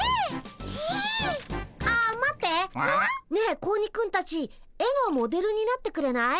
ピイ？ねえ子鬼くんたち絵のモデルになってくれない？